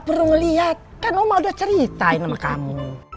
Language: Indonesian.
perlu ngeliat kan udah ceritain sama kamu